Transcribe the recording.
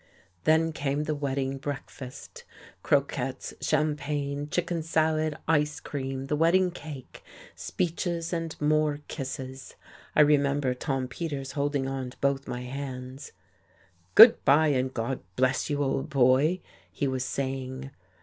Then came the wedding breakfast: croquettes, champagne, chicken salad, ice cream, the wedding cake, speeches and more kisses.... I remember Tom Peters holding on to both my hands. "Good bye, and God bless you, old boy," he was saying.